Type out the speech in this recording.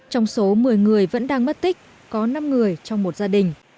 trong số một mươi người vẫn đang mất tích có năm người trong một gia đình